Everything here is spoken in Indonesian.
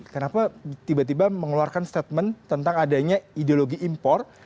kenapa tiba tiba mengeluarkan statement tentang adanya ideologi impor